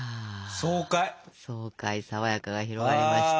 爽快爽やかが広がりました。